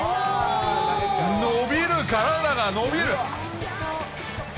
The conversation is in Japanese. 伸びる、体が伸びる。